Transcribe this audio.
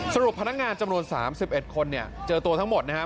สรุปพนักงานจำนวน๓๑คนเจอตัวทั้งหมดนะครับ